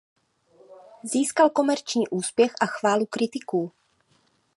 Získal komerční úspěch a chválu kritiků.